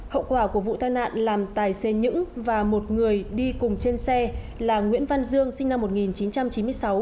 hậu quả của vụ tai nạn làm tài xế những và một người đi cùng trên xe là nguyễn văn dương sinh năm một nghìn chín trăm chín mươi sáu